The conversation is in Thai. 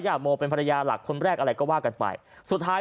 โมเป็นภรรยาหลักคนแรกอะไรก็ว่ากันไปสุดท้าย